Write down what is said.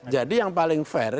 jadi yang paling fair